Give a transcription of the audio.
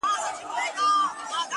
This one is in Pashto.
میاشته کېږي بې هویته، بې فرهنګ یم.